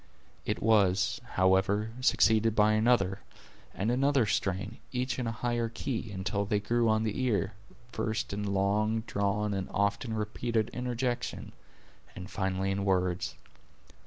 It was, however, succeeded by another and another strain, each in a higher key, until they grew on the ear, first in long drawn and often repeated interjections, and finally in words.